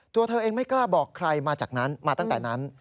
ตัวเธอเองไม่กล้าบอกใครมาตั้งแต่นั้น